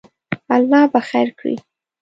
الله به خیر کړی